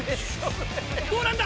どうなんだ？